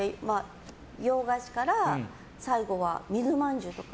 洋菓子から最後は水まんじゅうとか。